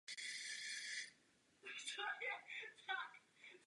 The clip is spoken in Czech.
Později však rezignoval.